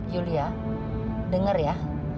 yulia dengar ya